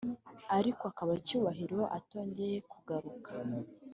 ariko akaba cyubahiro atongeye kugaruka"